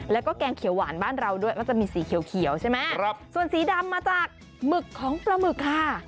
แล้วก็แกงเขียวหวานบ้านเราด้วยมันจะมีสีเขียวใช่ไหมส่วนสีดำมาจากหมึกของปลาหมึกค่ะ